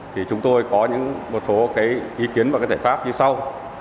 thì chúng tôi có một số ý kiến và giải pháp như sau